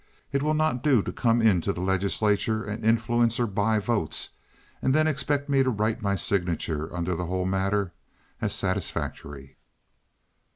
It will not do to come into the legislature and influence or buy votes, and then expect me to write my signature under the whole matter as satisfactory."